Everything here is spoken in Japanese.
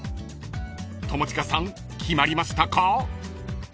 ［友近さん決まりましたか？］